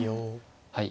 はい。